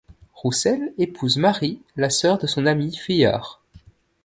Roussel épouse Marie, la sœur de son ami Vuillard.